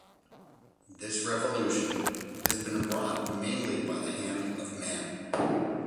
This revolution has been wrought mainly by the hand of man.